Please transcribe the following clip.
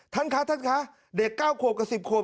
ท่านคะท่านคะเด็ก๙ขวบกับ๑๐ขวบ